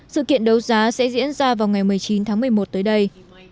sự kiện đấu giá sẽ diễn ra vào ngày một mươi chín tháng một mươi một tới đây